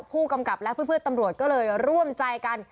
ผู้กำกับและเพื่อนตำรวจก็เลยร่วมใจกัน